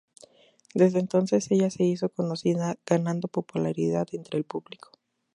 Desde entonces ella se hizo conocida ganando popularidad entre el público.